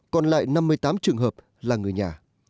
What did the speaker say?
còn lại năm mươi tám trường hợp là người nhà